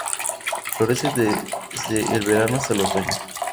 Florece desde el verano hasta el otoño.